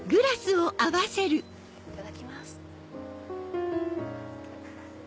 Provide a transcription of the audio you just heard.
いただきます。